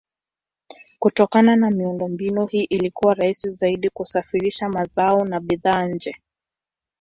Kutokana na miundombinu hii ilikuwa rahisi zaidi kusafirisha mazao na bidhaa nje.